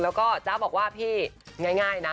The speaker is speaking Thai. แล้วก็จ๊ะบอกว่าพี่ง่ายนะ